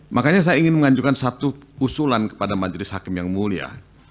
makanya saya ingin mengajukan satu usulan kepada majelis hakim yang mulia